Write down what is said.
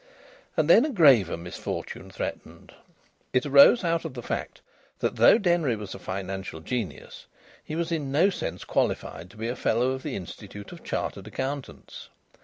And then a graver misfortune threatened. It arose out of the fact that, though Denry was a financial genius, he was in no sense qualified to be a Fellow of the Institute of Chartered Accountants.